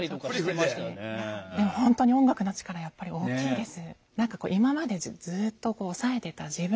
でも本当に音楽の力はやっぱり大きいです。